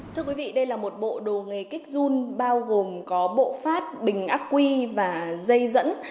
thưa quý vị đây là một bộ đồ nghề kích dung bao gồm có bộ phát bình ác quy và dây dẫn